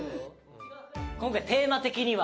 今回テーマ的には？